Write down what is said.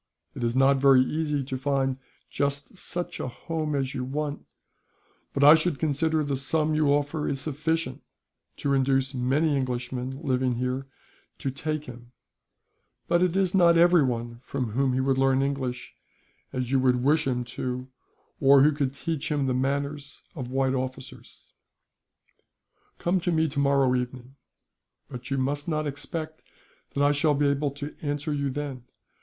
It is not very easy to find just such a home as you want, but I should consider the sum you offer is sufficient to induce many Englishmen living here to take him; but it is not everyone from whom he would learn English, as you would wish him to do, or who could teach him the manners of white officers. "Come to me tomorrow evening, but you must not expect that I shall be able to answer you then.